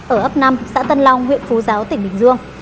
ở ấp năm xã tân long huyện phú giáo tỉnh bình dương